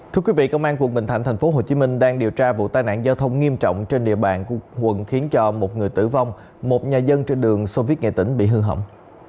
thưa quý vị công an quận bình thạnh thành phố hồ chí minh đang điều tra vụ tai nạn giao thông nghiêm trọng trên địa bàn của quận khiến cho một người tử vong một nhà dân trên đường soviet nghệ tỉnh bị hư hỏng